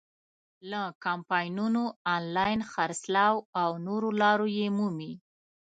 له کمپاینونو، آنلاین خرڅلاو او نورو لارو یې مومي.